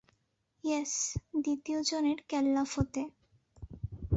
Yes, দ্বিতীয় জনের কেল্লা ফতে!